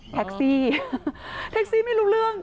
แท็กซี่แท็กซี่ไม่รู้เรื่อง